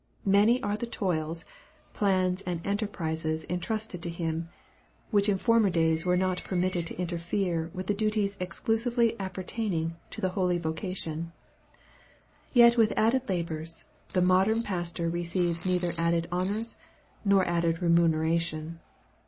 Many are the toils, plans and enterprises entrusted to him, which in former days were not permitted to interfere with the duties exclusively appertaining to the holy vocation; yet with added labors, the modern pastor receives neither added honors, nor added remuneration.